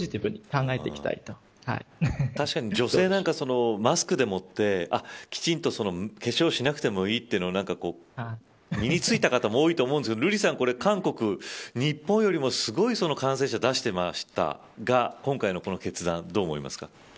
何事も確かに女性なんかマスクでもってきちんと化粧しなくてもいいというのが身についた方も多いと思うんですけど瑠麗さん、韓国日本よりもすごい感染者を出していましたが今回の決断はどう思いますか。